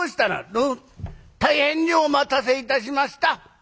「どうも大変にお待たせいたしました」。